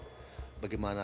untuk melihat kondisi lapangan